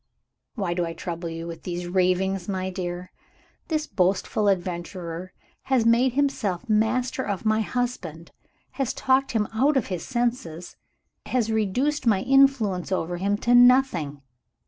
"Why do I trouble you with these ravings? My dear, this boastful adventurer has made himself master of my husband, has talked him out of his senses, has reduced my influence over him to nothing.